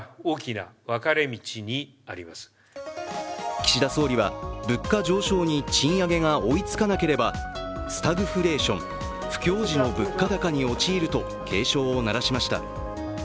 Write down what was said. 岸田総理は物価上昇に賃上げが追いつかなければスタグフレーション、不況時の物価高に陥ると警鐘を鳴らしました。